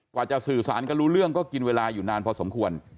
กว่าจะสื่อสารกันรู้เรื่องก็กินเวลาอยู่นานพอสมควร